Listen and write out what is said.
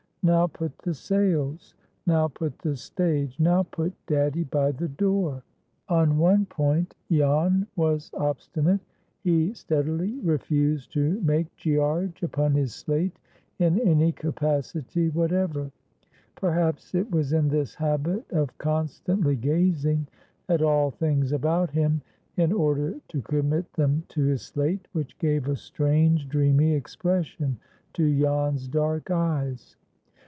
Now put the sails. Now put the stage. Now put daddy by the door." On one point Jan was obstinate. He steadily refused to "make Gearge" upon his slate in any capacity whatever. Perhaps it was in this habit of constantly gazing at all things about him, in order to commit them to his slate, which gave a strange, dreamy expression to Jan's dark eyes.